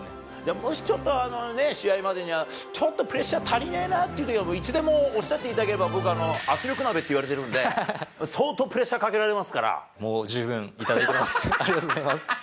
もしちょっと、試合までにちょっとプレッシャー足りねえなっていうときには、いつでもおっしゃっていただければ、僕、圧力鍋っていわれてるんで、相当、もう十分頂いてます。